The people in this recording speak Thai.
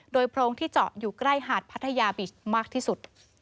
โดยโพรงที่เจาะอยู่ใกล้หาดพัทยาบิชมากที่สุด